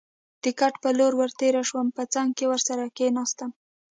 د کټ په لور ور تېر شوم، په څنګ کې ورسره کېناستم.